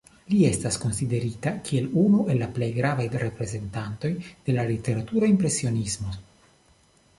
Li estas konsiderita kiel unu el la plej gravaj reprezentantoj de la literatura impresionismo.